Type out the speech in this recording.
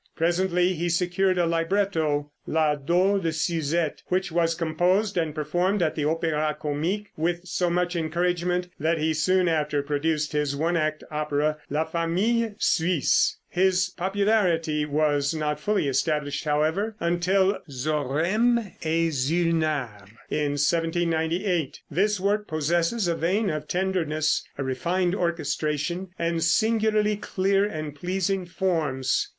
Presently he secured a libretto, "La Dot de Suzette," which was composed and performed at the Opéra Comique, with so much encouragement, that he soon after produced his one act opera, "La Famille Suisse." His popularity was not fully established, however, until "Zoraime et Zulnare" in 1798. This work possesses a vein of tenderness, a refined orchestration, and singularly clear and pleasing forms.